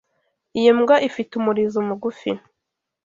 Iyo mbwa ifite umurizo mugufi.